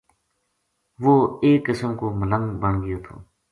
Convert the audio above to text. وہ ایک قسم کو ملنگ بن گیو تھو